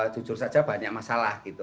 jujur saja banyak masalah gitu